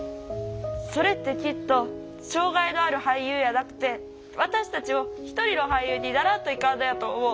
それってきっと障害のある俳優やなくて私たちも一人の俳優にならんといかんのやと思う。